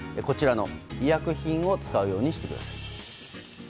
医薬品を使うようにしてください。